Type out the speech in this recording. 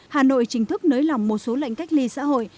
hà nội chính thức nới lỏng một số lệnh cách ly xã hội